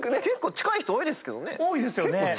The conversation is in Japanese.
結構近い人多いですけどね。